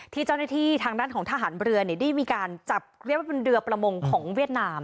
ที่เจ้าหน้าที่ทางด้านของทหารเรือได้มีการจับเรียกว่าเป็นเรือประมงของเวียดนาม